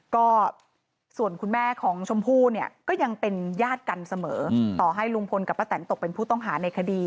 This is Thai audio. ก็ส่วนคุณแม่ของชมพู่เนี่ยก็ยังเป็นญาติกันเสมอต่อให้ลุงพลกับป้าแตนตกเป็นผู้ต้องหาในคดี